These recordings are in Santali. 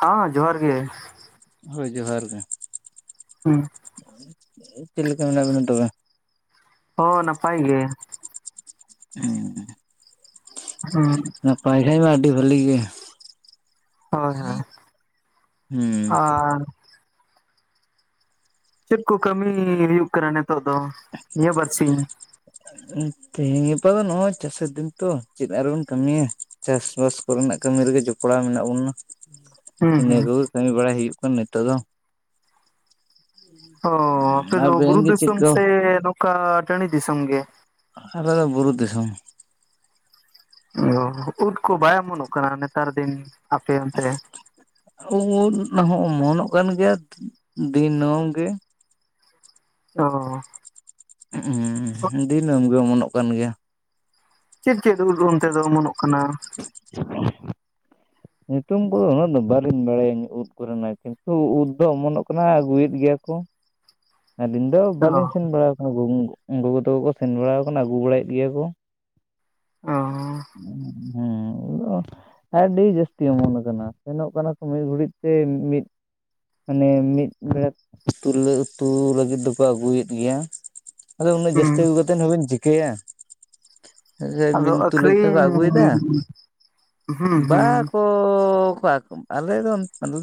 ᱦᱮᱸ ᱡᱚᱦᱟᱨ ᱜᱮ ᱦᱳᱭ ᱡᱚᱦᱟᱨ ᱜᱮ ᱦᱩᱸ ᱪᱮᱫ ᱞᱮᱠᱟ ᱢᱮᱱᱟᱜ ᱵᱤᱱᱟ ᱛᱚᱵᱮ? ᱦᱚ ᱱᱟᱯᱟᱭ ᱜᱮ ᱦᱩ ᱦᱩᱸ ᱱᱟᱯᱟᱭ ᱦᱮ ᱢᱟ ᱟᱹᱰᱤ ᱵᱷᱟᱞᱮ ᱜᱮ ᱦᱳᱭ ᱦᱳᱭ ᱦᱩᱸ ᱟᱨ ᱪᱮᱫ ᱠᱚ ᱠᱟᱹᱢᱤ ᱦᱩᱭᱩᱜ ᱠᱟᱱᱟ ᱱᱤᱛᱚᱜ ᱫᱚ ᱱᱤᱭᱟᱹ ᱵᱟᱨ ᱥᱤᱧ? ᱛᱮᱦᱤᱧ ᱜᱟᱯᱟ ᱫᱚ ᱱᱚᱜᱼᱚᱭ ᱪᱟᱥᱟ ᱫᱤᱱ ᱛᱚ ᱪᱮᱫ ᱟᱨᱵᱚᱱ ᱠᱟᱹᱢᱤᱭᱟ ᱪᱟᱥᱵᱟᱥ ᱠᱚᱨᱮᱱᱟᱜ ᱠᱟᱹᱢᱤ ᱨᱮᱜᱮ ᱡᱚᱯᱲᱟᱣ ᱢᱮᱱᱟᱜ ᱵᱚᱱᱟ ᱦᱩᱸ ᱤᱱᱟᱹ ᱦᱩᱸ ᱠᱚᱜᱮ ᱠᱟᱹᱢᱤ ᱵᱟᱲᱟᱭ ᱦᱩᱭᱩᱜ ᱠᱟᱱᱟ ᱱᱤᱛᱚᱜ ᱫᱚ᱾ ᱚ ᱟᱯᱮ ᱫᱚ ᱵᱩᱨᱩ ᱟᱵᱮᱱ ᱜᱮ ᱪᱮᱫ ᱫᱤᱥᱚᱢ ᱠᱚ ᱥᱮ ᱱᱚᱝᱠᱟ ᱴᱟᱺᱰᱤ ᱫᱤᱥᱚᱢ ᱜᱮ? ᱟᱞᱮ ᱫᱚ ᱵᱩᱨᱩ ᱫᱤᱥᱚᱢ ᱚᱸ ᱩᱰ ᱠᱚ ᱵᱟᱭ ᱚᱢᱚᱱᱚᱜ ᱠᱟᱱᱟ ᱱᱮᱛᱟᱨ ᱫᱤᱱ ᱟᱯᱮ ᱚᱱᱛᱮ? ᱩᱸ ᱩᱸ ᱦᱚᱸ ᱚᱢᱚᱱᱚᱜ ᱠᱟᱱ ᱜᱮᱭᱟ ᱫᱤᱱᱟᱹᱢ ᱜᱮ ᱚᱻ ᱩᱸ ᱫᱤᱱᱟᱹᱢ ᱜᱮ ᱚᱢᱚᱱᱚᱜ ᱠᱟᱱ ᱜᱮᱭᱟ ᱪᱮᱫ ᱪᱮᱫ ᱩᱫ ᱚᱱᱛᱮ ᱫᱚ ᱚᱢᱚᱱᱚᱜ ᱠᱟᱱᱟ? [inaudible] ᱧᱩᱛᱩᱢ ᱠᱚᱫᱚ ᱩᱱᱟᱹᱜ ᱫᱚ ᱵᱟᱹᱞᱤᱧ ᱵᱟᱲᱟᱭᱟᱧ ᱩᱫ ᱠᱚᱨᱮᱱᱟᱜ ᱠᱤᱱᱛᱩ ᱩᱫ ᱫᱚ ᱚᱢᱚᱱᱚᱜ ᱠᱟᱱᱟ ᱟᱹᱜᱩᱭᱮᱫ ᱜᱮᱭᱟ ᱠᱚ [inaudible] ᱟᱹᱞᱤᱧ ᱫᱚ ᱚ ᱵᱟᱞᱤᱧ ᱥᱮᱱ ᱵᱟᱲᱟ ᱠᱟᱱᱟ ᱜᱚᱸᱜᱩ ᱜᱚᱜᱚ ᱛᱟᱠᱚ ᱠᱚ ᱥᱮᱱ ᱵᱟᱲᱟ ᱟᱠᱟᱱᱟ ᱟᱹᱜᱩ ᱵᱟᱲᱟᱭᱮᱫ ᱜᱮᱭᱟ ᱠᱚ ᱚᱸᱻ ᱦᱩ [unintelligible] ᱟᱹᱰᱤ ᱡᱟᱹᱥᱛᱤ ᱚᱢᱚᱱ ᱟᱠᱟᱱᱟ ᱥᱮᱱᱚᱜ ᱠᱟᱱᱟ ᱠᱚ ᱢᱤᱫ ᱜᱷᱟᱹᱲᱤᱡ ᱛᱮ ᱢᱤᱫ ᱢᱟᱱᱮ ᱢᱤᱫ ᱵᱮᱲᱟ ᱛᱩᱞᱟᱹ ᱩᱛᱩ ᱞᱟᱹᱜᱤᱫ ᱫᱚᱠᱚ ᱟᱹᱜᱩᱭᱮᱫ ᱜᱮᱭᱟ ᱟᱫᱚ ᱩᱱᱟᱹᱜ ᱦᱩᱸ ᱡᱟᱹᱥᱛᱤ ᱟᱹᱜᱩ ᱠᱟᱛᱮᱫ ᱦᱚᱸ ᱵᱤᱱ ᱪᱤᱠᱟᱹᱭᱟ ᱟᱫᱚ [unintelligible] [unintelligible] ᱟᱹᱠᱷᱨᱤᱧ ᱟᱹᱜᱩᱭᱮᱫᱟ ᱦᱩᱸ ᱵᱟ ᱦᱩᱸ ᱠᱚ ᱠᱚᱣᱟᱠᱚ ᱟᱞᱮ ᱫᱚ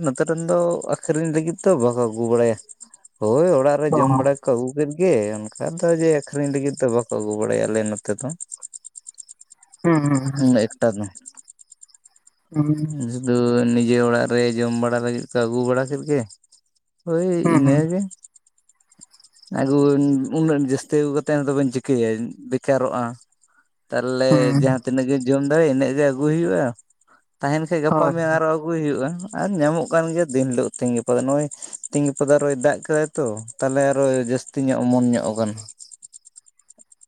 ᱱᱚᱛᱮ ᱨᱮᱱ ᱫᱚ ᱟᱹᱠᱷᱨᱤᱧ ᱞᱟᱹᱜᱤᱫ ᱫᱚ ᱵᱟᱠᱚ ᱟᱹᱜᱩ ᱵᱟᱲᱟᱭᱟ ᱦᱳᱭ ᱚᱲᱟᱜ ᱚ ᱡᱚᱢ ᱵᱟᱲᱟ ᱠᱚ ᱟᱹᱜᱩ ᱠᱮᱫ ᱜᱮ ᱚᱱᱠᱟ ᱫᱚ ᱡᱮ ᱟᱹᱠᱷᱨᱤᱧ ᱞᱟᱹᱜᱤᱫ ᱫᱚ ᱵᱟᱠᱚ ᱟᱹᱜᱩ ᱵᱟᱲᱟᱭᱟ ᱟᱞᱮ ᱱᱚᱛᱮ ᱫᱚ᱾ ᱦᱩᱸ ᱦᱩᱸ ᱩᱢ ᱮᱠᱴᱟ ᱦᱩᱸ ᱫᱚ [inaudible] ᱳᱭ ᱱᱤᱡᱮ ᱚᱲᱟᱜ ᱨᱮ ᱡᱚᱢ ᱵᱟᱲᱟ ᱞᱟᱹᱜᱤᱫ ᱠᱚ ᱟᱹᱜᱩ ᱵᱟᱲᱟ ᱠᱮᱫ ᱜᱮ ᱦᱳᱭ ᱦᱩᱸ ᱦᱩᱸ ᱤᱱᱟᱹ ᱜᱮ ᱟᱜᱩ ᱩᱱᱟᱹᱜ ᱡᱟᱹᱥᱛᱤ ᱟᱹᱜᱩ ᱠᱟᱛᱮᱫ ᱦᱚᱸ ᱛᱚ ᱵᱮᱱ ᱪᱤᱠᱟᱹᱭᱟ ᱵᱮᱠᱟᱨᱚᱜᱼᱟ ᱛᱟᱦᱚᱞᱮ ᱦᱩᱸ ᱡᱟᱦᱟᱸ ᱛᱤᱱᱟᱹᱜ ᱜᱮ ᱡᱚᱢ ᱫᱟᱲᱤᱜ ᱤᱱᱟᱹᱜ ᱜᱮ ᱟᱹᱜᱩᱭ ᱦᱩᱭᱩᱜᱼᱟ, ᱛᱟᱦᱮᱱ ᱠᱷᱟᱡ ᱜᱟᱯᱟ ᱦᱳᱭ ᱢᱮᱭᱟᱝ ᱟᱨᱚᱼᱼ ᱟᱹᱜᱩᱭ ᱦᱩᱭᱩᱜᱼᱟ ᱟᱨ ᱧᱟᱢᱚᱜ ᱠᱟᱱ ᱜᱮᱭᱟ ᱫᱤᱱ ᱦᱤᱞᱳᱜ ᱛᱤᱧ ᱜᱟᱯᱟ ᱫᱚ ᱱᱚᱜᱼᱚᱭ ᱛᱤᱧ ᱜᱟᱯᱟ ᱫᱚ ᱟᱨᱚᱭ ᱫᱟᱜ ᱠᱟᱫᱟᱭᱼᱼ ᱛᱚ ᱛᱟᱦᱚᱞᱮ ᱟᱨᱚ ᱡᱟᱹᱥᱛᱤ ᱧᱚᱜ ᱚᱢᱚᱱ ᱧᱚᱜ ᱟᱠᱟᱱᱟ ᱾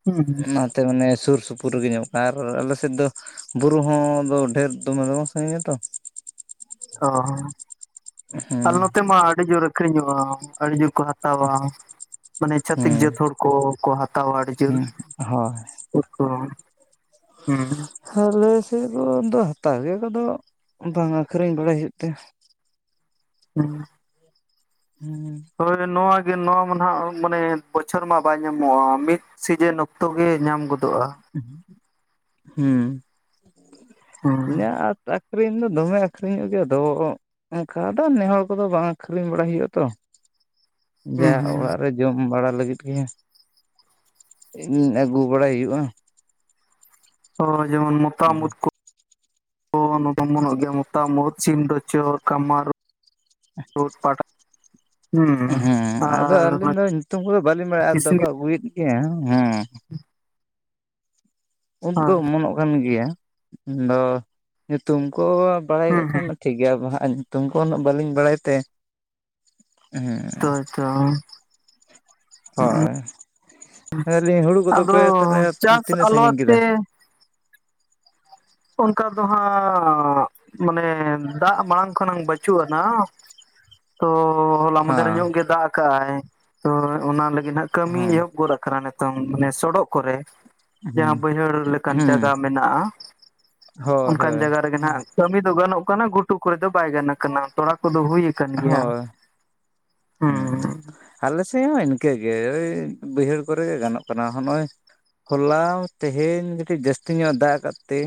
ᱦᱩᱸ ᱚᱱᱟᱛᱮ ᱢᱟᱱᱮ ᱥᱩᱨ ᱥᱩᱯᱩᱨ ᱨᱮᱜᱮ ᱧᱟᱢᱚᱜᱼᱼ ᱟᱨ ᱟᱞᱮ ᱥᱮᱫ ᱫᱚ ᱵᱩᱨᱩ ᱦᱚᱸ ᱫᱚ ᱰᱷᱮᱨ ᱫᱚᱢᱮ ᱫᱚ ᱵᱟᱝ ᱥᱟᱺᱜᱤᱧᱟ ᱛᱚ ᱚᱻ ᱟᱞᱮ ᱱᱚᱛᱮ ᱢᱟ ᱟᱰᱤ ᱡᱳᱨ ᱟᱹᱠᱷᱨᱤᱧᱚᱜᱼᱟ ᱟᱹᱰᱤ ᱡᱳᱨ ᱠᱚ ᱦᱟᱼᱼ ᱛᱟᱣᱟ ᱢᱟᱱᱮ ᱪᱷᱟᱹᱛᱤᱠ ᱦᱩᱸ ᱡᱟᱹᱛ ᱦᱚᱲ ᱠᱚ ᱠᱚ ᱦᱟᱛᱟᱣᱟ ᱟᱹᱰᱤ ᱡᱳᱨ ᱦᱚᱸ [unintelligible] ᱦᱩᱸ ᱟᱞᱮ ᱥᱮᱫ ᱫᱚ ᱦᱟᱛᱟᱣ ᱜᱮᱭᱟ ᱠᱚᱫᱚ ᱵᱟᱝ ᱟᱹᱠᱷᱨᱤᱧ ᱵᱟᱲᱟᱭ ᱦᱩᱭᱩᱜ ᱛᱮ [inaudible] [inaudible] ᱦᱳᱭ ᱱᱚᱣᱟ ᱜᱮ ᱱᱚᱣᱟ ᱢᱟ ᱱᱟᱦᱟᱜ ᱢᱟᱱᱮ ᱵᱚᱪᱷᱚᱨ ᱢᱟ ᱵᱟᱭ ᱧᱟᱢᱚᱜᱼᱟ, ᱢᱤᱫᱼᱼ ᱥᱤᱡᱤᱱ ᱚᱠᱛᱚ ᱜᱮ ᱧᱟᱢ ᱜᱚᱫᱚᱜᱼᱟ ᱦᱩᱸ ᱦᱩᱸ [unintelligible] ᱟᱹᱠᱷᱨᱤᱧ ᱫᱚ ᱫᱚᱢᱮ ᱟᱹᱠᱷᱨᱤᱧᱚᱜ ᱜᱮᱭᱟ ᱟᱫᱚ ᱚᱱᱠᱟ ᱫᱚ ᱱᱮ ᱦᱚᱲ ᱠᱚᱫᱚ ᱵᱟᱝ ᱟᱹᱠᱷᱨᱤᱧ ᱵᱟᱲᱟᱭ ᱦᱩᱭᱩᱜᱼᱟ ᱛᱚ ᱡᱟ ᱦᱩᱸ ᱦᱩᱸ ᱚᱲᱟᱜ ᱨᱮᱼᱼ ᱡᱚᱢ ᱵᱟᱲᱟ ᱞᱟᱹᱜᱤᱫ ᱜᱤ ᱟᱹᱜᱩ ᱵᱟᱲᱟᱭ ᱦᱩᱭᱩᱜᱼᱟ ᱚ ᱡᱮᱢᱚᱱ ᱢᱚᱛᱟᱢ ᱩᱛ ᱠᱩ [unintelligible] ᱜᱮᱭᱟ ᱯᱚᱛᱟᱢ ᱩᱫ ᱥᱤᱢᱰᱚᱪᱚ ᱠᱟᱢᱟᱨ ᱩᱫ [unintelligible] ᱦᱩᱸ ᱦᱮᱸ - ᱮᱸ ᱟᱫᱚ ᱟᱨ ᱚᱱᱟ ᱟᱹᱞᱤᱧ ᱫᱚ ᱧᱩᱛᱩᱢ ᱠᱚᱫᱚ ᱵᱟᱹᱞᱤᱧ ᱵᱟᱲᱟᱭᱟ ᱟᱫᱚ ᱠᱚ ᱠᱤᱥᱱᱤ ᱟᱹᱜᱩᱭᱮᱫ ᱜᱮᱭᱟ ᱩᱸᱢᱼᱼ ᱩᱫ ᱫᱚ ᱦᱳᱭ ᱚᱢᱚᱱᱚᱜ ᱠᱟᱱ ᱜᱮᱭᱟ, ᱟᱫᱚ ᱧᱩᱛᱩᱢ ᱠᱚ ᱵᱟᱲᱟᱭ ᱦᱩᱸ ᱠᱟᱜ ᱦᱩᱸ ᱠᱷᱟᱱᱼᱼ ᱴᱷᱤᱠ ᱜᱮᱭᱟ ᱵᱚ ᱦᱟᱜ ᱧᱩᱛᱩᱢ ᱠᱚ ᱩᱱᱟᱹᱜ ᱵᱟᱹᱞᱤᱧ ᱵᱟᱲᱟᱭ ᱛᱮ ᱦᱮᱸ, [unintelligible] ᱦᱳᱭ [unintelligible] ᱦᱩᱲᱩ ᱟᱫᱚ ᱠᱚᱫᱚᱯᱮ ᱛᱟᱦᱞᱮ ᱪᱟᱥ ᱛᱤᱱᱟᱹᱜ ᱟᱞᱚ ᱥᱟᱺᱜᱤᱧ ᱠᱮᱫᱟ ᱛᱮ ᱚᱱᱠᱟ ᱫᱚ ᱦᱟᱸᱜ ᱢᱟᱱᱮ ᱫᱟᱜ ᱢᱟᱲᱟᱝ ᱠᱷᱚᱱᱟᱝ ᱵᱟᱹᱪᱩᱜ ᱱᱟᱦᱟᱜ [inaudible] ᱛᱚ ᱦᱚᱞᱟ ᱢᱟᱫᱷᱮᱨ ᱦᱮᱸ ᱧᱚᱜ ᱜᱮ ᱫᱟᱜ ᱟᱠᱟᱜ ᱟᱭ ᱛᱚ ᱚᱱᱟ ᱞᱟᱹᱜᱤᱫ ᱦᱟᱸᱜ ᱠᱟᱹᱢᱤ ᱦᱮᱸ ᱮᱦᱚᱵ ᱜᱚᱫ ᱟᱠᱟᱱᱟ ᱱᱤᱛᱚᱝ ᱢᱟᱱᱮ ᱥᱚᱰᱚᱜ ᱠᱚᱨᱮ ᱦᱩᱸ ᱡᱟᱦᱟᱸ ᱵᱟᱹᱭᱦᱟᱹᱲ ᱞᱮᱠᱟᱱ ᱦᱩᱸ ᱡᱟᱜᱟ ᱢᱮᱱᱟᱜᱼᱟ ᱦᱳᱭ ᱚᱱᱠᱟᱱ ᱦᱳᱭ ᱡᱟᱜᱟ ᱨᱮᱜᱮ ᱱᱟᱦᱟᱸᱜ ᱠᱟᱹᱢᱤ ᱫᱚ ᱜᱟᱱᱚᱜ ᱠᱟᱱᱟ ᱜᱷᱩᱴᱩ ᱠᱚᱨᱮ ᱫᱚ ᱵᱟᱭ ᱜᱟᱱ ᱠᱟᱱᱟ ᱛᱚᱲᱟ ᱠᱚᱫᱚ ᱦᱩᱭ ᱟᱠᱟᱱ ᱜᱮᱭᱟ ᱦᱳᱭ ᱦᱩᱸ ᱟᱞᱮ ᱥᱮᱫ ᱦᱚᱸ ᱤᱱᱠᱟᱹᱜᱮ ᱳᱭ ᱵᱟᱹᱭᱦᱟᱹᱲ ᱠᱚᱨᱮᱜᱮ ᱜᱟᱱᱚᱜ ᱠᱟᱱᱟ ᱦᱚᱸ ᱱᱚᱜᱼᱚᱭ ᱦᱚᱞᱟ ᱛᱮᱦᱮᱧ ᱠᱟᱹᱴᱤᱡ ᱡᱟᱹᱥᱛᱤ ᱧᱚᱜ ᱫᱟᱜ ᱟᱠᱟᱜ ᱛᱮ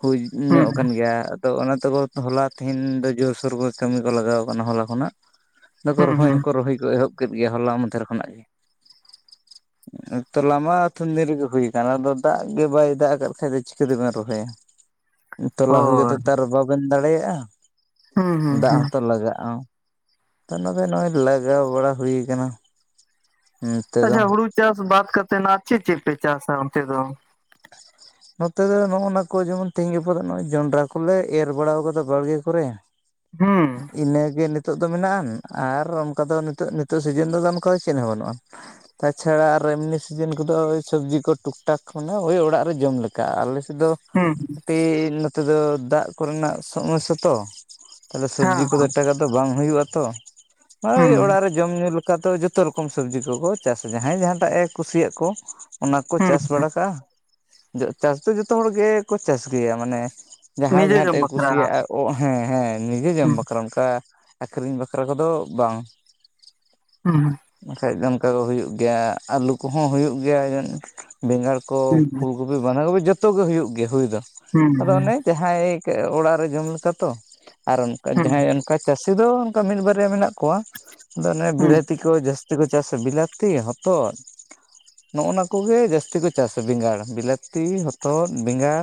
ᱦᱩᱭ ᱧᱚᱜ ᱦᱩᱸ ᱟᱠᱟᱱ ᱜᱮᱭᱟ ᱾ ᱛᱚ ᱚᱱᱟ ᱛᱮᱠᱚ ᱦᱚᱞᱟ ᱛᱮᱦᱤᱱ ᱫᱚ ᱡᱳᱨᱥᱳᱨ ᱠᱚ ᱠᱟᱹᱢᱤ ᱠᱚ ᱞᱟᱜᱟᱣ ᱠᱟᱱᱟ ᱦᱚᱞᱟ ᱠᱷᱚᱱᱟᱜ ᱫᱚᱠᱚ ᱦᱩᱸ ᱨᱚᱦᱚᱭ ᱦᱩᱸ ᱦᱚᱸᱠᱚ ᱨᱚᱦᱚᱭ ᱠᱚ ᱮᱦᱚᱵ ᱠᱮᱫ ᱜᱮᱭᱟ ᱦᱚᱞᱟ ᱢᱟᱫᱷᱮᱨ ᱠᱷᱚᱱᱟᱜ ᱜᱮ ᱛᱚᱞᱟᱢᱟ ᱟᱹᱛᱷᱟᱹᱱ ᱫᱤᱱ ᱨᱮᱜᱮ ᱦᱩᱭ ᱟᱠᱟᱱ ᱟᱫᱚ ᱫᱟᱜ ᱜᱮ ᱵᱟᱭ ᱫᱟᱜ ᱟᱠᱟᱫ ᱠᱷᱟᱡ ᱫᱚ ᱪᱤᱠᱟᱹᱛᱮᱵᱮᱱ ᱨᱚᱦᱚᱭᱟ ᱛᱚᱞᱟ ᱦᱩᱭ ᱦᱳᱭ ᱠᱟᱛᱮ ᱛᱚ ᱟᱨ ᱵᱟᱵᱮᱱ ᱫᱟᱲᱮᱭᱟᱜᱼᱟ ᱦᱩᱸ ᱦᱩᱸ ᱫᱟᱜ ᱦᱩᱸ ᱦᱚᱸᱛᱚ ᱞᱟᱜᱟᱜᱼᱟ ᱛᱚ ᱚᱱᱟᱜᱮ ᱱᱚᱜᱼᱚᱭ ᱞᱟᱜᱟᱣ ᱵᱟᱲᱟ ᱦᱩᱭ ᱟᱠᱟᱱᱟ ᱟᱪᱪᱷᱟ ᱦᱩᱲᱩ ᱪᱟᱥ ᱵᱟᱫ ᱠᱟᱛᱮ ᱪᱮ ᱪᱮᱫᱯᱮ ᱪᱟᱥᱟ ᱚᱱᱛᱮ ᱫᱚ? ᱱᱚᱛᱮ ᱫᱚ ᱱᱚᱜᱼ ᱚᱱᱟ ᱠᱚ ᱡᱮᱢᱚᱱ ᱛᱮᱦᱤᱧ ᱜᱟᱯᱟ ᱫᱚ ᱱᱚᱜᱼᱚᱭ ᱡᱚᱱᱰᱨᱟ ᱠᱚᱞᱮ ᱮᱨ ᱵᱟᱲᱟᱣ ᱟᱠᱟᱫᱟ ᱵᱟᱲᱜᱮ ᱠᱚᱨᱮ ᱦᱩᱸ ᱤᱱᱟᱹᱜᱮ ᱱᱤᱛᱚᱜ ᱫᱚ ᱢᱮᱱᱟᱜ ᱟᱨ ᱚᱱᱠᱟ ᱫᱚ ᱱᱤᱛᱚᱜ ᱱᱤᱛᱚᱜ ᱥᱤᱡᱤᱱ ᱫᱚ ᱚᱱᱠᱟ ᱪᱮᱫ ᱦᱚᱸ ᱵᱟᱹᱱᱩᱜᱼᱟ ᱛᱟᱪᱷᱟᱲᱟ ᱟᱨ ᱮᱢᱱᱤ ᱥᱤᱡᱤᱱ ᱠᱚᱫᱚ ᱳᱭ ᱥᱚᱵᱽᱡᱤ ᱠᱚ ᱴᱩᱠᱴᱟᱠ [unintelligible] ᱳᱭ ᱚᱲᱟᱜ ᱡᱚᱢ ᱞᱮᱠᱟ ᱟᱞᱮ ᱥᱮᱫ ᱫᱚ ᱦᱩᱸ ᱦᱮᱸ [inaudible] ᱠᱟᱹᱴᱤᱡ ᱱᱚᱛᱮ ᱫᱚ ᱫᱟᱜ ᱠᱚᱨᱮᱱᱟᱜ ᱥᱚᱢᱚᱥᱥᱟ ᱛᱚ, ᱛᱟᱦᱚᱞᱮ ᱥᱚᱵᱽᱡᱤ ᱦᱮᱸ ᱠᱚᱫᱚ [unintelligible] ᱫᱚ ᱵᱟᱝ ᱦᱩᱭᱩᱜ-ᱟ ᱛᱚ ᱾ [inaudible] ᱳᱭ ᱦᱩᱸ ᱚᱲᱟᱜ ᱨᱮ ᱡᱚᱢ ᱧᱩ ᱞᱮᱠᱟ ᱫᱚ ᱡᱚᱛᱚ ᱨᱚᱠᱚᱢ ᱥᱚᱵᱽᱡᱤ ᱠᱚᱠᱚ ᱪᱟᱥᱟ, ᱡᱟᱦᱟᱸᱭ ᱡᱟᱦᱟᱸᱴᱟᱜ ᱮ ᱠᱩᱥᱤᱭᱟᱜ ᱠᱚ ᱚᱱᱟᱠᱚ ᱦᱩᱸ ᱪᱟᱥ ᱵᱟᱲᱟ ᱠᱟᱜ-ᱟ ᱾ [inaudible] ᱪᱟᱥ ᱫᱚ ᱡᱚᱛᱚ ᱦᱚᱲ ᱜᱮᱠᱚ ᱪᱟᱥ ᱜᱮᱭᱟ, ᱢᱟᱱᱮ ᱡᱟᱦᱟᱸᱭ ᱱᱤᱡᱮ ᱡᱚᱢ ᱡᱟᱦᱟᱸᱴᱟᱜ ᱮ ᱵᱟᱠᱷᱨᱟ ᱠᱩᱥᱤᱭᱟᱜ-ᱟ, ᱚ ᱦᱮᱸ ᱦᱮᱸ ᱱᱤᱡᱮ ᱦᱩᱸ ᱡᱚᱢ ᱵᱟᱠᱷᱨᱟ ᱚᱱᱠᱟ ᱟᱹᱠᱷᱨᱤᱧ ᱵᱟᱠᱷᱨᱟ ᱠᱚᱫᱚ ᱵᱟᱝ ᱾ [inaudible] ᱦᱩᱸ ᱦᱩᱸ ᱾ ᱵᱟᱠᱷᱟᱡ ᱫᱚ ᱚᱱᱠᱟ ᱦᱩᱭᱩᱜ ᱜᱮᱭᱟ, ᱟᱹᱞᱩ ᱠᱚᱦᱚᱸ ᱦᱩᱭᱩᱜ ᱜᱮᱭᱟ ᱵᱮᱸᱜᱟᱲ ᱠᱚ ᱦᱩᱸ ᱾ ᱠᱚᱯᱤ ᱵᱟᱸᱫᱷᱟ ᱠᱚᱯᱤ ᱡᱚᱛᱚ ᱜᱮ ᱦᱩᱭᱩᱜ ᱜᱮᱭᱟ ᱦᱩᱭ ᱫᱚ ᱦᱩᱸ ᱾ ᱟᱫᱚ ᱚᱱᱮ ᱡᱟᱦᱟᱸᱭ ᱚᱲᱟᱜ ᱨᱮ ᱡᱚᱢ ᱞᱮᱠᱟ ᱛᱚ ᱟᱨ ᱚᱱᱠᱟ ᱦᱩᱸ ᱡᱟᱦᱟᱸᱭ ᱚᱱᱠᱟ ᱪᱟᱹᱥᱤ ᱫᱚ ᱚᱱᱠᱟ ᱢᱤᱫ ᱵᱟᱨᱭᱟ ᱢᱮᱱᱟᱜ ᱠᱚᱣᱟ ᱾ ᱟᱫᱚ ᱚᱱᱮ ᱦᱩᱸ ᱵᱤᱞᱟᱹᱛᱤ ᱠᱚ ᱡᱟᱹᱥᱛᱤ ᱠᱚ ᱪᱟᱥᱟ ᱾ ᱵᱤᱞᱟᱹᱛᱤ, ᱦᱚᱛᱚᱫ ᱱᱚᱜ-ᱚᱱᱟ ᱠᱚᱜᱮ ᱡᱟᱹᱥᱛᱤ ᱠᱚ ᱪᱟᱥᱟ ᱵᱮᱸᱜᱟᱲ ᱾ ᱵᱤᱞᱟᱹᱛᱤ ᱦᱚᱛᱚᱫ ᱵᱮᱸᱜᱟᱲ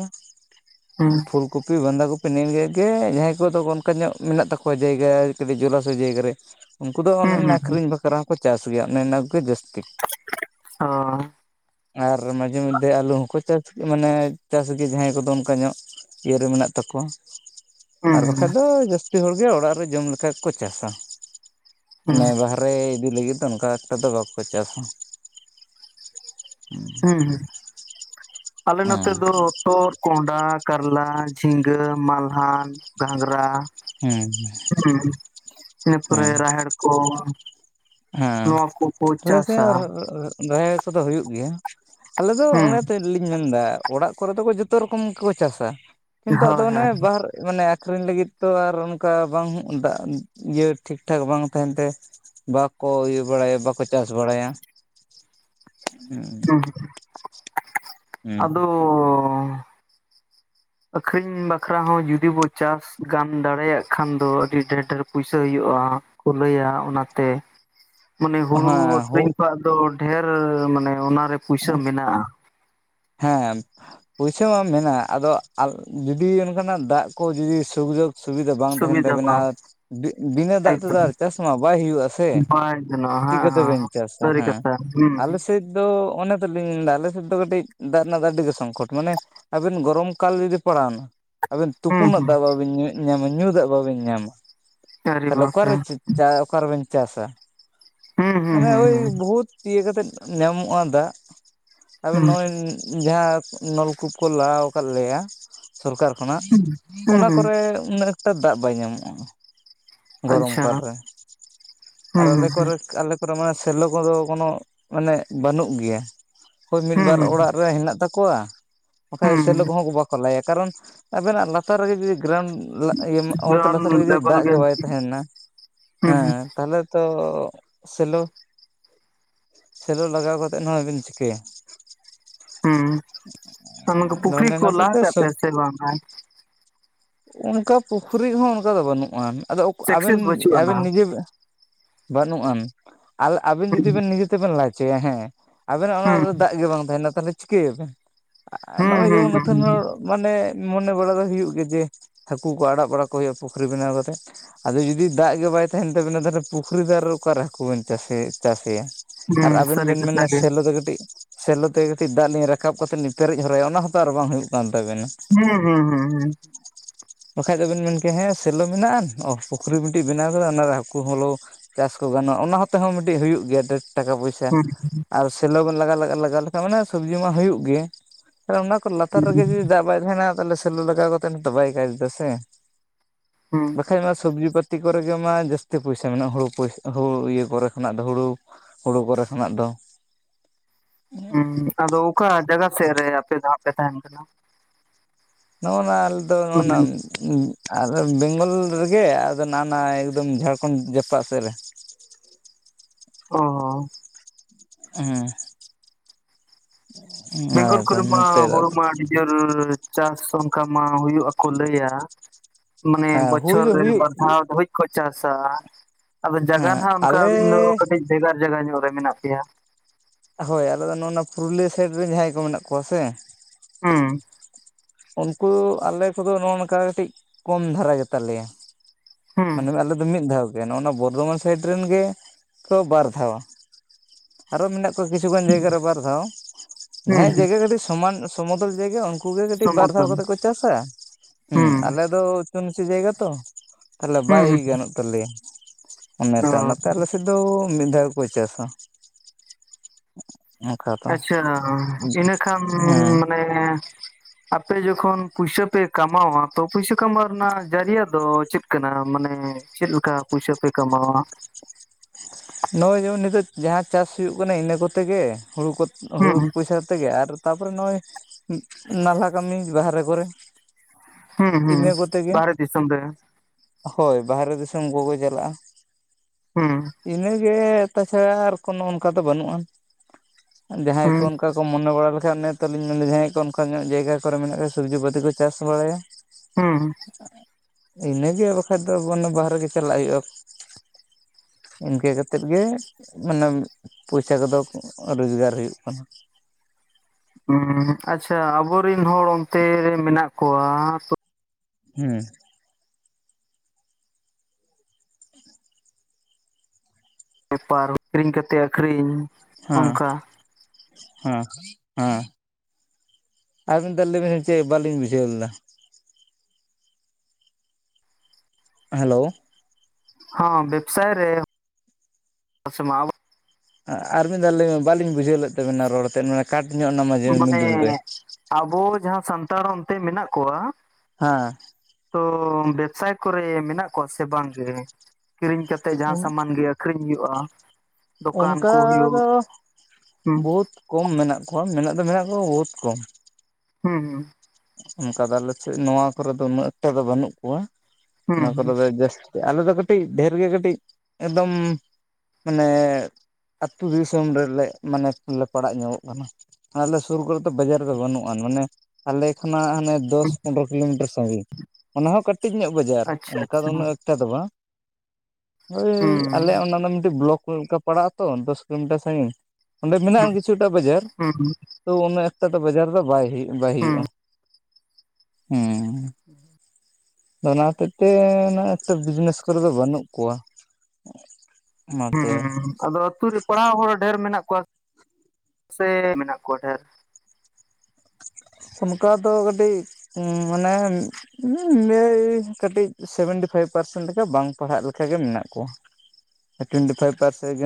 ᱦᱩᱸ [inaudible] ᱯᱷᱩᱞ ᱠᱚᱯᱤ ᱵᱟᱸᱫᱷᱟ ᱠᱚᱯᱤ ᱱᱤᱭᱟᱹ ᱠᱮᱫ ᱜᱮ ᱡᱟᱦᱟᱸᱭ ᱠᱚᱫᱚ ᱚᱱᱠᱟ ᱧᱚᱜ ᱢᱮᱱᱟᱜ ᱛᱟᱠᱚᱣᱟ ᱡᱟᱭᱜᱟ ᱠᱟᱹᱴᱤᱡ ᱡᱚᱞᱟᱥᱚᱭ ᱡᱟᱭᱜᱟ ᱨᱮ ᱾ ᱩᱱᱠᱩ ᱫᱚ ᱚᱱᱮ ᱦᱩᱸ ᱚᱱᱟ ᱦᱩᱸ ᱟᱹᱠᱷᱨᱤᱧ ᱵᱟᱠᱷᱨᱟ ᱦᱚᱸᱠᱚ ᱪᱟᱥ ᱜᱮᱭᱟ, ᱚᱱᱮ ᱚᱱᱟ ᱠᱚᱜᱮ ᱡᱟᱹᱥᱛᱤ ᱾ ᱚᱻ ᱟᱨ ᱢᱟᱡᱷᱮ ᱢᱚᱫᱽᱫᱷᱮ ᱟᱞᱩ ᱦᱚᱸᱠᱚ ᱪᱟᱥ ᱢᱟᱱᱮ ᱪᱟᱥ ᱜᱮ ᱡᱟᱦᱟᱸᱭ ᱠᱚᱫᱚ ᱚᱱᱠᱟ ᱧᱚᱜ ᱤᱭᱟᱹᱨᱮ ᱢᱮᱱᱟᱜ ᱛᱟᱠᱚᱣᱟ ᱾ ᱟᱨ ᱵᱟᱠᱷᱟᱡ ᱦᱩᱸ ᱫᱚ ᱡᱟᱹᱥᱛᱤ ᱦᱚᱲ ᱜᱮ ᱚᱲᱟᱜ ᱨᱮ ᱡᱚᱢ ᱞᱮᱠᱟ ᱜᱮᱠᱚ ᱪᱟᱥᱟ ᱾ [inaudible] ᱦᱩᱸ ᱢᱟᱱᱮ ᱵᱟᱦ ᱨᱮ ᱤᱫᱤ ᱞᱟᱹᱜᱤᱫ ᱫᱚ ᱚᱱᱠᱟ ᱮᱠᱴᱟ ᱫᱚ ᱵᱟᱠᱚ ᱪᱟᱥᱟ ᱾ [inaudible] ᱦᱩᱸ ᱾ [inaudible] ᱟᱞᱮ ᱱᱚᱛᱮ ᱦᱮᱸ ᱫᱚ ᱦᱚᱛᱚᱫ ᱠᱚᱸᱦᱰᱟ ᱠᱟᱨᱞᱟ ᱡᱷᱤᱸᱜᱟᱹ ᱢᱟᱞᱦᱟᱱ ᱜᱷᱟᱸᱜᱽᱨᱟ ᱦᱮᱸ [inaudible] ᱦᱩᱸ ᱤᱱᱟᱹ ᱯᱚᱨᱮ ᱦᱮᱸ ᱨᱟᱦᱮᱲ ᱠᱚ ᱦᱮᱸ ᱱᱚᱣᱟ ᱠᱚᱠᱚ ᱟᱞᱮ ᱥᱮᱫ ᱪᱟᱥᱟ ᱦᱚᱸ [unintelligible] ᱠᱚᱫᱚ ᱦᱩᱭᱩᱜ ᱜᱮᱭᱟ ᱾ ᱟᱞᱮ ᱫᱚ ᱚᱱᱮ ᱦᱩᱸ ᱛᱚ ᱞᱤᱧ ᱢᱮᱱ ᱮᱫᱟ ᱚᱲᱟᱜ ᱠᱚᱨᱮ ᱫᱚ ᱡᱚᱛᱚ ᱨᱚᱠᱚᱢ ᱜᱮᱠᱚ ᱪᱟᱥᱟ ᱾ ᱠᱤᱱᱛᱩ ᱟᱫᱚ ᱦᱳᱭ ᱚᱱᱮ ᱦᱳᱭ ᱵᱟᱨ ᱢᱟᱱᱮ ᱟᱠᱷᱨᱤᱧ ᱞᱟᱹᱜᱤᱫ ᱛᱚ ᱟᱨ ᱚᱱᱠᱟ ᱵᱟᱝ ᱫᱟᱜ ᱤᱭᱟᱹ ᱴᱷᱤᱠ ᱴᱷᱟᱠ ᱵᱟᱝ ᱛᱟᱦᱮᱱ ᱛᱮ ᱵᱟᱠᱚ ᱤᱭᱟᱹ ᱵᱟᱲᱟᱭᱟ ᱵᱟᱠᱚ ᱪᱟᱥ ᱵᱟᱲᱟᱭᱟ ᱾ [inaudible] ᱦᱩᱸ ᱾ [inaudible] ᱦᱩᱸ ᱾ ᱟᱹᱠᱷᱨᱤᱧ ᱵᱟᱠᱷᱨᱟ ᱦᱚᱸ ᱡᱩᱫᱤ ᱵᱚ ᱪᱟᱥ ᱜᱟᱱ ᱫᱟᱲᱮᱭᱟᱜ ᱠᱷᱟᱱ ᱫᱚ ᱟᱹᱰᱤ ᱰᱷᱮᱨ ᱰᱷᱮᱨ ᱯᱩᱭᱥᱟᱹ ᱦᱩᱭᱩᱜ-ᱟ ᱠᱚ ᱞᱟᱹᱭᱟ ᱾ ᱚᱱᱟᱛᱮ ᱢᱟᱱᱮ ᱦᱩᱲᱩ ᱦᱳ ᱟᱹᱷᱨᱤᱧ ᱠᱷᱚᱣᱟᱜ ᱫᱚ ᱰᱷᱮᱨ ᱢᱟᱱᱮ ᱚᱱᱟᱨᱮ ᱯᱩᱭᱥᱟᱹ ᱢᱮᱱᱟᱜ-ᱟ ᱾ ᱦᱮᱸ ᱯᱩᱭᱥᱟᱹ ᱢᱟ ᱢᱮᱱᱟᱜ-ᱟ, ᱟᱫᱚ ᱡᱩᱫᱤ ᱚᱱᱠᱟᱱᱟᱜ ᱫᱟᱜ ᱠᱚ ᱡᱩᱫᱤ ᱥᱩᱠᱡᱳᱜ ᱥᱩᱵᱤᱫᱷᱟ ᱵᱟᱝ ᱛᱟᱦᱮᱱ ᱥᱩᱵᱤᱫᱷᱟ ᱛᱟᱵᱮᱱᱟ ᱵᱟᱝ ᱟᱨ ᱵᱤᱱᱟᱹ ᱫᱟᱜ ᱛᱮᱫᱚ ᱮᱠᱫᱚᱢ ᱟᱨ ᱪᱟᱥ ᱢᱟ ᱵᱟᱭ ᱦᱩᱭᱩᱜ-ᱟ ᱥᱮ ᱾ ᱵᱟᱭ ᱜᱟᱱᱚᱜ-ᱟ ᱦᱮᱸ ᱦᱮᱸ ᱦᱮᱸ ᱥᱟᱹᱨᱤ ᱦᱮᱸ ᱠᱟᱛᱷᱟ ᱦᱩᱸ ᱾ ᱟᱞᱮ ᱥᱮᱫ ᱫᱚ ᱚᱱᱮ ᱛᱚᱞᱤᱧ ᱢᱮᱱ ᱮᱫᱟ ᱟᱞᱮ ᱥᱮᱫ ᱫᱚ ᱠᱟᱹᱴᱤᱡ ᱫᱟᱜ ᱨᱮᱱᱟᱜ ᱫᱚ ᱟᱹᱰᱤ ᱜᱮ ᱥᱚᱝᱠᱚᱴ, ᱢᱟᱱᱮ ᱟᱹᱵᱤᱱ ᱜᱚᱨᱚᱢ ᱠᱟᱞ ᱡᱩᱫᱤ ᱯᱟᱲᱟᱣ ᱮᱱᱟ ᱟᱵᱮᱱ ᱦᱩᱸ ᱛᱩᱯᱩᱱᱟᱜ ᱫᱟᱜ ᱵᱟᱵᱤᱱ ᱧᱩ ᱧᱟᱢᱟ ᱧᱩ ᱫᱟᱜ ᱵᱟᱵᱮᱱ ᱧᱟᱢᱟ ᱾ ᱟᱨᱮ ᱛᱟᱦᱚᱞᱮ ᱚᱠᱟᱨᱮ ᱵᱟᱯᱨᱮ ᱚᱠᱟ ᱨᱮᱵᱮᱱ ᱪᱟᱥᱟ? ᱦᱩᱸ [inaudible] ᱦᱩᱸ ᱢᱟᱱᱮ ᱦᱩᱸ ᱳᱭ ᱵᱚᱦᱩᱛ ᱤᱭᱟᱹ ᱠᱟᱛᱮᱫ ᱧᱟᱢᱚᱜ-ᱟ ᱫᱟᱜ [inaudible] ᱟᱵᱮᱱ ᱦᱩᱸ ᱱᱚᱸᱜ-ᱚᱭ ᱡᱟᱦᱟᱸ ᱱᱚᱞᱠᱩᱯ ᱠᱚ ᱞᱟᱜᱟᱣ ᱟᱠᱟᱫ ᱞᱮᱭᱟ ᱥᱚᱨᱠᱟᱨ ᱠᱷᱚᱱᱟᱜ ᱦᱩᱸ ᱦᱩᱸ ᱚᱱᱟ ᱦᱩᱸ ᱠᱚᱨᱮ ᱩᱱᱟᱹᱜ ᱮᱠᱴᱟ ᱫᱟᱜ ᱵᱟᱭ ᱧᱟᱢᱚᱜᱼᱟ ᱜᱚᱨᱚᱢ ᱟᱪᱪᱷᱟ ᱠᱟᱞ ᱨᱮ ᱟᱨ ᱦᱩᱸ ᱟᱞᱮ ᱦᱩᱸ ᱠᱚᱨᱮ ᱟᱞᱮᱠ ᱠᱚᱨᱮ ᱢᱟ ᱥᱮᱞᱚ ᱠᱚᱫᱚ ᱠᱳᱱᱳ ᱢᱟᱱᱮ ᱵᱟᱹᱱᱩᱜ ᱜᱮᱭᱟ᱾ ᱦᱳᱭ ᱢᱤᱫ ᱦᱩᱸ ᱵᱟᱨ ᱚᱲᱟᱜ ᱨᱮ ᱦᱮᱱᱟᱜ ᱛᱟᱠᱚᱣᱟ ᱵᱟᱠᱷᱟᱡ ᱦᱩᱸ ᱥᱮᱞᱚᱠ ᱦᱩᱸ ᱠᱚᱦᱚᱸ ᱠᱚ ᱵᱟ ᱠᱚᱞᱟᱭᱟ ᱠᱟᱨᱚᱱ ᱟᱵᱮᱱᱟᱜ ᱞᱟᱛᱟᱨ ᱨᱮᱜᱮ ᱡᱩᱫᱤ ᱜᱨᱟᱣᱩᱱ ᱞᱟᱜ ᱤᱭᱟᱹ ᱚᱛ ᱞᱟᱛᱟᱨ ᱜᱨᱟᱣᱩᱱᱰ ᱨᱮᱜᱮ ᱞᱮᱵᱮᱞ ᱫᱟᱜ ᱜᱮ ᱵᱟᱭ ᱛᱟᱦᱮᱱᱟ ᱦᱩᱸ ᱦᱮᱸ ᱛᱟᱦᱚᱞᱮ ᱛᱚ ᱥᱮᱞᱚ ᱥᱮᱞᱳ ᱞᱟᱜᱟᱣ ᱠᱟᱛᱮ ᱦᱚᱸᱵᱤᱱ ᱛᱮᱭᱟ ᱦᱩᱸ ᱚᱱᱟ ᱠᱚ ᱟᱫᱚ ᱯᱩᱠᱷᱨᱤ ᱚᱱᱮ ᱠᱚ ᱚᱱᱟ ᱞᱟ ᱦᱚᱛᱮᱡ ᱛᱮ ᱟᱠᱟᱫ ᱯᱮ ᱥᱚᱵ ᱥᱮ ᱵᱟᱝ ᱟ? ᱚᱱᱠᱟ ᱯᱩᱠᱷᱨᱤ ᱦᱚᱸ ᱚᱱᱠᱟ ᱫᱚ ᱵᱟᱹᱱᱩᱜᱼᱟᱱ ᱟᱫᱚ ᱟᱵᱮᱱ ᱥᱟᱠᱥᱮᱥ ᱵᱟᱹᱪᱩᱜ ᱟᱵᱮᱱ ᱟᱱᱟ ᱱᱤᱡᱮ ᱵᱟᱹᱱᱩᱜᱼᱟᱱ ᱟ ᱟᱵᱤᱱ ᱦᱩᱸ ᱡᱩᱫᱤ ᱵᱮᱱ ᱱᱤᱡᱮ ᱛᱮᱵᱮᱱ ᱞᱟᱹᱭ ᱦᱚᱪᱚᱭᱟ ᱦᱮᱸ ᱟᱵᱮᱱᱟᱜ ᱦᱩᱸ ᱚᱱᱟᱨᱮ ᱫᱟᱜ ᱜᱮ ᱵᱟᱝ ᱛᱟᱦᱮᱱᱟ ᱛᱟᱦᱚᱞᱮ ᱪᱤᱠᱟᱹᱭᱟᱵᱮ ᱦᱩᱸ ᱱᱚᱜᱼᱚᱭ ᱦᱩᱸ ᱡᱮᱢᱚᱱ ᱱᱚᱛᱷᱮ ᱱᱟ ᱦᱩᱸ ᱢᱟᱱᱮ ᱢᱚᱱᱮ ᱵᱟᱲᱟ ᱫᱚ ᱦᱩᱭᱩᱜ ᱜᱮ ᱡᱮ ᱦᱟᱹᱠᱩ ᱠᱚ ᱟᱲᱟᱜ ᱵᱟᱲᱟ ᱠᱚ ᱦᱩᱭᱩᱜᱼᱟ ᱯᱩᱠᱷᱨᱤ ᱠᱚ ᱵᱮᱱᱟᱣ ᱠᱟᱛᱮᱫ᱾ ᱟᱫᱚ ᱡᱩᱫᱤ ᱫᱟᱜ ᱜᱮ ᱵᱟᱭ ᱛᱟᱦᱮᱱ ᱛᱟᱵᱮᱱᱟ ᱛᱟᱦᱚᱞᱮ ᱯᱩᱠᱷᱨᱤ ᱫᱟᱨ ᱨᱮ ᱚᱠᱟᱨᱮ ᱦᱟᱹᱠᱩ ᱵᱮᱱ ᱪᱟᱥᱮᱭᱟ ᱪᱟᱥᱮᱭᱟ ᱟᱨ ᱦᱩᱸ ᱟᱵᱮᱱ ᱥᱟᱹᱨᱤ ᱵᱮᱱ ᱠᱟᱛᱷᱟ ᱢᱮᱱᱟ ᱜᱮ ᱥᱮᱞᱚ ᱫᱚ ᱠᱟᱹᱴᱤᱡ ᱥᱮᱞᱚ ᱛᱮ ᱠᱟᱹᱴᱤᱡ ᱫᱟᱜ ᱞᱤᱧ ᱨᱟᱠᱟᱵ ᱠᱟ ᱠᱟᱛᱮᱫ ᱞᱤᱧ ᱯᱮᱨᱮᱡ ᱦᱚᱨᱟᱭᱟ ᱚᱱᱟ ᱦᱚᱸᱛᱚ ᱟᱨ ᱵᱟᱝ ᱦᱩᱭᱩᱜ ᱠᱟᱱ ᱛᱟᱵᱮᱱᱟ᱾ ᱦᱩᱸ ᱦᱩᱸ ᱦᱩᱸ ᱦᱩᱸ ᱦ ᱵᱟᱠᱷᱟᱡ ᱫᱚᱵᱮᱱ ᱢᱮᱱ ᱠᱮᱭᱟ ᱦᱮᱸ ᱥᱮᱞᱚ ᱢᱮᱱᱟᱜᱼᱟᱱ ᱚ ᱯᱩᱠᱷᱨᱤ ᱢᱤᱫᱴᱤᱡ ᱵᱮᱱᱟᱣ ᱠᱟᱫᱟ ᱚᱱᱟᱨᱮ ᱦᱟᱹᱠᱩ ᱦᱚᱞᱚ ᱪᱟᱥ ᱠᱚ ᱜᱟᱱᱚᱜᱼᱟ ᱚᱱᱟ ᱛᱮᱦᱚ ᱢᱤᱫᱴᱤᱡ ᱦᱩᱭᱩᱜ ᱜᱮᱭᱟ ᱰᱷᱮᱨ ᱴᱟᱠᱟ ᱯᱚᱭᱥ ᱥᱟ ᱦᱩᱸ ᱟᱨ ᱥᱮᱞᱳ ᱵᱮᱱ ᱞᱟᱜᱟ ᱞᱟᱜ ᱞᱟᱜᱟᱣ ᱞᱮᱠᱷᱟᱱ ᱢᱟᱱᱮ ᱥᱚᱵᱽᱡᱤ ᱢᱟ ᱦᱩᱭᱩᱜ ᱜᱮ ᱟᱫᱚ ᱚᱱᱟ ᱠᱚ ᱞᱟᱛᱟᱨ ᱦᱩᱸ ᱨᱮᱜᱮ ᱡᱩᱫᱤ ᱫᱟᱜ ᱵᱟᱭ ᱛᱟᱦᱮᱱᱟ ᱛᱟᱦᱚᱞᱮ ᱥᱮᱞᱚ ᱞᱟᱜᱟᱣ ᱠᱟᱛᱮᱫ ᱱᱤᱛᱚ ᱵᱟᱭ ᱠᱟ ᱮᱫᱟ ᱥᱮ ᱦᱩᱸ ᱵᱟᱠᱟᱱᱡ ᱢᱟ ᱥᱚᱵᱡᱤ ᱯᱟᱛ ᱛᱤ ᱠᱚᱨᱮ ᱜᱮ ᱢᱟ ᱡᱟᱹᱥᱛᱤ ᱯᱚᱭᱥᱟ ᱢᱮᱱᱟᱜᱼᱟ ᱦᱩᱲᱩ ᱯᱚᱭ ᱦᱩᱲᱩ ᱤᱭᱟᱹ ᱠᱚᱨᱮ ᱠᱷᱚᱱᱟᱜ ᱫᱚ ᱦᱩᱲᱩ ᱦᱩᱲᱩ ᱠᱚᱨᱮ ᱠᱷᱚᱱᱟᱜ ᱫᱚ ᱦᱮᱸ ᱟᱫᱚ ᱚᱠᱟ ᱡᱟᱭᱜᱟ ᱥᱮᱫ ᱨᱮ ᱟᱯᱮ ᱫᱚᱦᱟᱜ ᱯᱮ ᱛᱟᱦᱮᱱ ᱠᱟᱱᱟ? ᱱᱚᱜᱚ ᱱᱟ ᱟᱞᱮ ᱫᱚ ᱱᱚᱜᱚ ᱱᱟ ᱟᱫᱚ ᱵᱮᱝᱜᱚᱞ ᱨᱮᱜᱮ ᱟᱫᱚ ᱱᱟ ᱱᱟ ᱮᱠᱫᱚᱢ ᱡᱷᱟᱲᱠᱷᱚᱸᱰ ᱡᱟᱯᱟᱜ ᱥᱮᱫ ᱨᱮ ᱚ ᱦᱮᱸ ᱦᱮ ᱵᱮᱝᱜᱚᱞ ᱠᱚᱨᱮ ᱢᱟ ᱦᱩᱲᱩ ᱢᱟ ᱟᱹᱰᱤ ᱡᱳᱨ ᱪᱟᱥ ᱚᱱᱠᱟ ᱢᱟ ᱦᱩᱭᱩᱜ ᱟᱠᱚ ᱞᱟᱹᱭᱟ ᱢᱟᱱᱮ ᱦᱮᱸ ᱦᱩᱭ ᱵᱚᱪᱷᱚᱨ ᱫᱚ ᱨᱮ ᱦᱩᱭᱩᱜ ᱵᱟᱨ ᱫᱷᱟᱣ ᱫᱷᱟᱹᱵᱤᱡ ᱠᱚ ᱪᱟᱥᱟ ᱟᱫᱚ ᱡᱟᱭᱜᱟ ᱦᱮᱸ ᱫᱚᱦᱟᱜ ᱚᱱᱠᱟ ᱟᱞᱮ ᱟᱵᱤᱱ ᱫᱚ ᱠᱟᱹᱴᱤᱡ ᱵᱷᱮᱜᱟᱨ ᱡᱟᱭᱜᱟ ᱧᱚᱜ ᱨᱮ ᱢᱮᱱᱟᱜ ᱯᱮᱭᱟ ᱦᱳᱭ ᱟᱞᱮ ᱫᱚ ᱱᱚᱜᱼ ᱚᱱᱟ ᱯᱩᱨᱩᱞᱤᱭᱟᱹ ᱥᱟᱭᱤᱰ ᱨᱮ ᱡᱟᱦᱟᱸᱭ ᱠᱚ ᱢᱮᱱᱟᱜ ᱠᱚᱣᱟ ᱥᱮ ᱦᱩᱸ ᱩᱱᱠᱩ ᱟᱞᱮ ᱠᱚᱫᱚ ᱱᱚᱣᱟ ᱱᱚᱝᱠᱟ ᱠᱟᱹᱴᱤᱡ ᱠᱚᱢ ᱫᱷᱟᱨᱟ ᱜᱮᱛᱟᱞᱮᱭᱟ ᱦᱩᱸ ᱢᱟᱱᱮ ᱟᱞᱮ ᱢᱤᱫ ᱫᱷᱟᱣ ᱜᱮ ᱚᱱᱟ ᱵᱚᱨᱫᱷᱚᱢᱟᱱ ᱥᱟᱭᱤᱰ ᱨᱮᱱ ᱜᱮ ᱠᱚ ᱵᱟᱨ ᱫᱷᱟᱣ-ᱟ ᱟᱨᱚ ᱢᱮᱱᱟᱜ ᱠᱚᱣᱟ ᱠᱤᱪᱷᱩᱜᱟᱱ ᱡᱟᱭᱜᱟ ᱨᱮ ᱵᱟᱨ ᱫᱷᱟᱣ ᱦᱩᱸ ᱡᱟᱦᱟᱭᱜᱟ ᱡᱟᱭᱜᱟ ᱠᱟᱰᱤᱡ ᱥᱚᱢᱟᱱ ᱥᱚᱢᱚᱫᱚᱞ ᱡᱟᱭᱜᱟ ᱩᱱᱠᱩ ᱜᱮ ᱠᱟᱹᱴᱤᱡ ᱵᱟᱨ ᱫᱷᱟᱣ ᱥᱚᱢᱚᱛᱚᱞ ᱠᱟᱛᱮ ᱠᱚ ᱪᱟᱥᱟ ᱦᱩᱸ ᱟᱞᱮ ᱫᱚ ᱩᱪᱩ ᱱᱤᱪᱩ ᱡᱟᱭᱜᱟ ᱛᱚ ᱛᱟᱦᱚᱞᱮ ᱦᱩᱸ ᱵᱟᱭ ᱦᱩᱸ ᱜᱟᱱᱚᱜ ᱛᱟᱞᱮᱭᱟ ᱚ ᱚᱱᱟᱛᱮ ᱚᱱᱟᱛᱮ ᱟᱞᱮ ᱥᱮᱫ ᱫᱚ ᱢᱤᱫ ᱫᱷᱟᱣ ᱜᱮᱠᱚ ᱪᱟᱥᱟ᱾ ᱚᱱᱠᱟ ᱫᱚ ᱟᱪᱪᱷᱟ ᱤᱱᱟᱹᱠᱷᱟᱱ ᱦᱮᱸ ᱢᱟᱱᱮ ᱟᱯᱮ ᱡᱚᱠᱷᱚᱱ ᱯᱩᱭᱥᱟᱹ ᱯᱮ ᱠᱟᱢᱟᱣᱟ ᱛᱚ ᱯᱚᱭᱥᱟ ᱠᱟᱢᱟᱣ ᱨᱮᱱᱟᱜ ᱡᱟᱹᱨᱤᱭᱟ ᱫᱚ ᱪᱮᱫ? ᱠᱟᱱᱟ ᱢᱟᱱᱮ ᱪᱮᱫ ᱞᱮᱠᱟ ᱯᱩᱭᱥᱟᱹ ᱯᱮ ᱠᱟᱢᱟᱣᱟ? ᱱᱚᱜ-ᱚᱭ ᱡᱮᱢᱚᱱ ᱱᱤᱛᱚᱜ ᱡᱟᱦᱟᱸ ᱪᱟᱥ ᱦᱩᱭᱩᱜ ᱠᱟᱱᱟ ᱤᱱᱟᱹ ᱠᱚᱛᱮ ᱜᱮ ᱦᱩᱲᱩ ᱠᱚᱛ ᱦᱩᱲᱩ ᱦᱩᱸ ᱯᱚᱭᱥᱟ ᱛᱮᱜᱮ ᱟᱨ ᱛᱟᱯᱚᱨᱮ ᱱᱚᱜᱼᱚᱭ ᱱᱟᱞᱦᱟ ᱠᱟᱹᱢᱤ, ᱵᱟᱦᱨᱮ ᱠᱚᱨᱮ᱾ ᱦᱩᱸ ᱦᱩᱸ ᱤᱱᱟᱹ ᱠᱚ ᱛᱮᱜᱮ᱾ ᱵᱟᱦᱨᱮ ᱫᱤᱥᱚᱢ ᱨᱮ ᱦᱳᱭ ᱵᱟᱦᱨᱮ ᱫᱤᱥᱚᱢ ᱠᱚᱠᱚ ᱪᱟᱞᱟᱜ-ᱟ᱾ ᱦᱩᱸ᱾ ᱤᱱᱟᱹᱜᱮ ᱛᱟᱪᱷᱟᱲᱟ ᱟᱨ ᱠᱳᱱᱚ ᱚᱱᱠᱟ ᱫᱚ ᱵᱟᱹᱱᱩᱜ-ᱟᱱ᱾ ᱡᱟᱦᱟᱸᱭ ᱠᱚ ᱦᱩᱸ ᱚᱱᱠᱟ ᱠᱚ ᱢᱚᱱᱮ ᱵᱟᱲᱟ ᱠᱷᱟᱡ ᱚᱱᱮ ᱛᱚ ᱟᱞᱤᱧ ᱢᱮᱱ ᱫᱚ ᱡᱟᱸᱦᱟᱭᱟᱜ ᱠᱚ ᱚᱱᱠᱟ ᱧᱚᱜ ᱡᱟᱭᱜᱟ ᱠᱚᱨᱮ ᱢᱮᱱᱟᱜ ᱠᱟᱫᱟ ᱥᱚᱵᱽᱡᱤ ᱯᱟᱹᱛᱤ ᱠᱚ ᱪᱟᱥ ᱵᱟᱲᱟᱭᱟ᱾ ᱦᱩᱸ᱾ ᱤᱱᱟᱹᱜᱮ ᱵᱟᱠᱷᱟᱡ ᱫᱚ ᱚᱱᱮ ᱵᱟᱦᱨᱮ ᱜᱮ ᱪᱟᱞᱟᱜ ᱦᱩᱭᱩᱜ-ᱟ᱾ ᱤᱱᱠᱟᱹ ᱠᱟᱛᱮᱫ ᱜᱮ ᱢᱟᱱᱮ ᱯᱚᱭᱥᱟ ᱠᱚᱫᱚ ᱨᱳᱡᱽᱜᱟᱨ ᱦᱩᱭᱩᱜ ᱠᱟᱱᱟ᱾ ᱦᱩᱸ᱾ ᱟᱪᱪᱷᱟ ᱟᱵᱚᱨᱮᱱ ᱦᱚᱲ ᱚᱱᱛᱮ ᱨᱮ ᱢᱮᱱᱟᱜ ᱠᱚᱣᱟ ᱛᱚ ᱦᱮᱸ᱾ ᱵᱮᱯᱟᱨ ᱠᱤᱨᱤᱧ ᱠᱟ ᱠᱟᱛᱮ ᱟᱹᱠᱷᱨᱤᱧ᱾ ᱦᱮᱸ, ᱦᱮᱸ, ᱦᱮᱸ᱾ ᱟᱨ ᱢᱤᱫ ᱫᱷᱟ ᱞᱟᱹᱭᱵᱮᱱ ᱪᱮᱫ ᱵᱟᱞᱤᱧ ᱵᱩᱡᱷᱟᱹᱣ ᱞᱮᱫᱟ? ᱦᱮᱞᱳ᱾ ᱦᱚᱸ ᱵᱮᱵᱥᱟᱭ ᱨᱮ [inaudible] ᱟᱵᱚ ᱟ-ᱟᱨ ᱢᱤᱫ ᱫᱷᱟᱣ ᱞᱟᱹᱭ ᱢᱮ ᱵᱟᱹᱞᱤᱧ ᱵᱩᱡᱷᱟᱹᱣ ᱞᱮᱫ ᱛᱟᱵᱮᱱᱟ ᱨᱚᱲᱛᱮᱫ ᱢᱟᱱᱮ ᱠᱟᱴ ᱧᱚᱜ ᱚᱱᱟ ᱢᱟ ᱢᱟᱱᱮ ᱟᱵᱚ ᱡᱟᱦᱟᱸ ᱥᱟᱱᱛᱟᱲ ᱚᱱᱛᱮ ᱢᱮᱱᱟᱜ ᱠᱚᱣᱟ ᱦᱮᱸᱺ ᱛᱚ ᱵᱮᱵᱽᱥᱟᱭ ᱠᱚᱨᱮ ᱢᱮᱱᱟᱜ ᱠᱚᱣᱟ ᱥᱮ ᱵᱟᱝ ᱜᱮ? ᱠᱤᱨᱤᱧ ᱠᱟᱛᱮᱜ ᱡᱟᱦᱟᱸ ᱥᱟᱢᱟᱱ ᱜᱮ ᱟᱹᱠᱷᱨᱤᱧ ᱦᱩᱭᱩᱜ-ᱟ᱾ ᱚᱱᱠᱟ ᱫᱚ ᱦᱩᱸ ᱵᱚᱦᱩᱛ ᱠᱚᱢ ᱢᱮᱱᱟᱜ ᱠᱚᱣᱟ᱾ ᱢᱮᱱᱟᱜ ᱫᱚ ᱢᱮᱱᱟᱜ ᱠᱚᱣᱟ ᱵᱚᱦᱩᱛ ᱠᱚᱢ᱾ ᱦᱩᱸ ᱦᱩᱸ᱾ ᱚᱱᱠᱟ ᱫᱚ ᱟᱞᱮ ᱥᱮᱫ ᱱᱚᱣᱟ ᱠᱚᱨᱮ ᱫᱚ ᱩᱱᱟᱹᱜ ᱮᱠᱴᱟ᱾ ᱦᱩᱸ ᱱᱚᱣᱟ ᱠᱚᱫᱚ ᱦᱩᱸ ᱵᱮᱜᱡᱟᱹᱥ ᱟᱞᱮ ᱫᱚ ᱠᱟᱹᱴᱤᱡ ᱰᱷᱮᱨ ᱜᱮ ᱠᱟᱹᱴᱤᱡ ᱮᱠᱫᱚᱢ ᱢᱟᱱᱮ ᱟᱹᱛᱩ ᱫᱤᱥᱚᱢ ᱨᱮᱞᱮ ᱢᱟᱱᱮ ᱞᱮ ᱯᱟᱲᱟᱜ ᱧᱚᱜᱚᱜ ᱠᱟᱱᱟ᱾ ᱟᱞᱮ ᱥᱩᱨ ᱠᱚᱨᱮ ᱫᱚ ᱵᱟᱡᱟᱨ ᱨᱮ ᱫᱚ ᱵᱟᱹᱱᱩᱜ ᱟᱱ ᱢᱟᱱᱮ ᱟᱞᱮ ᱠᱷᱚᱟᱱᱟ ᱦᱟᱱᱮ ᱫᱚᱥ ᱦᱩᱸ ᱯᱚᱱᱨᱚ ᱠᱤᱞᱳᱢᱤᱴᱟᱨ ᱥᱟᱺᱜᱤᱧ᱾ ᱚᱱᱟ ᱦᱚᱸ ᱠᱟᱹᱴᱤᱡ ᱧᱚᱜ ᱵᱟᱡᱟᱨ ᱟᱪᱪᱷᱟ ᱚᱱᱠᱟ ᱫᱚ ᱟᱪᱪᱷᱟ ᱦᱩᱸ ᱩᱱᱟᱹᱜ ᱮᱠ ᱴᱟ ᱫᱚ ᱵᱟᱝ ᱳᱭ ᱟᱞᱮ ᱚᱱᱟ ᱱᱟ ᱢᱤᱫᱴᱮᱡ ᱵᱞᱚᱠ ᱞᱮᱠᱟ ᱯᱟᱲᱟᱜ ᱟᱛᱚ ᱫᱚᱥ ᱠᱤᱞᱳᱢᱤᱴᱟᱨ ᱥᱟᱺᱜᱤᱧ᱾ ᱚᱸᱰᱮ ᱢᱮᱱᱟᱜᱼᱟ ᱦᱩᱸ ᱠᱤᱪᱷᱩᱴᱟ ᱵᱟᱡᱟᱨ᱾ ᱦᱩᱸ ᱛᱚ ᱩᱱᱟᱹᱜ ᱮᱠᱴᱟ ᱫᱚ ᱵᱟᱡᱟᱨ ᱫᱚ ᱵᱟᱭ ᱦᱩᱭᱩᱜ ᱵᱟᱭ ᱦᱩᱸ ᱦᱩᱭᱩᱜᱼᱟ᱾ ᱦᱮᱸ᱾ ᱟᱫᱚ ᱚᱱᱟ ᱦᱚᱛᱮᱡ ᱛᱮ ᱩᱱᱟᱹᱜ ᱮᱠᱴᱟ ᱵᱤᱡᱽᱱᱮᱥ ᱠᱚᱨᱮ ᱫᱚ ᱵᱟᱹᱱᱩᱜ ᱠᱚᱣᱟ᱾ ᱚᱱᱟᱛᱮ ᱦᱩᱸ᱾ ᱟᱫᱚ ᱟᱛᱳ ᱨᱮ ᱯᱟᱲᱦᱟᱣ ᱦᱚᱲ ᱦᱚᱸ ᱰᱷᱮᱨ ᱢᱮᱱᱟᱜ ᱠᱚᱣᱟ ᱥᱮ ᱢᱮᱱᱟᱜ ᱠᱚᱣᱟ ᱰᱷᱮᱨ᱾ ᱚᱱᱠᱟ ᱫᱚ ᱠᱟᱹᱴᱤᱡ ᱩᱸ ᱢᱟᱱᱮ ᱩᱸ ᱞᱟᱹᱭ ᱠᱟᱹᱴᱤᱡ ᱥᱮᱵᱷᱮᱱᱴᱤ ᱯᱷᱟᱭᱤᱵ ᱯᱟᱨᱥᱮᱱᱴ ᱞᱮᱠᱟ ᱵᱟᱝ ᱯᱟᱲᱦᱟᱜ ᱞᱮᱠᱟ ᱢᱮᱱᱟᱜ ᱠᱚᱣᱟ᱾ ᱴᱩᱭᱮᱱᱴᱤ ᱯᱷᱟᱭᱤᱵ ᱯᱟᱨᱥᱮ ᱜᱮ